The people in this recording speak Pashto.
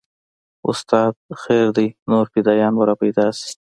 استاده خير دى نور فدايان به راپيدا سي.